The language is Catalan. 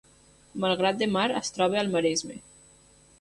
Malgrat de Mar es troba al Maresme